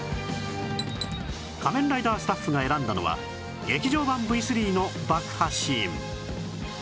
『仮面ライダー』スタッフが選んだのは『劇場版 Ｖ３』の爆破シーン